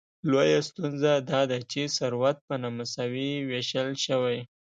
لویه ستونزه داده چې ثروت په نامساوي ویشل شوی.